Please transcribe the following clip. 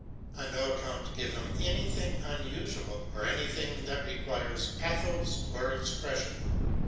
On no account give him anything unusual, or anything that requires pathos or expression.